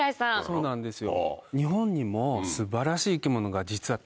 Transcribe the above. そうなんですよ。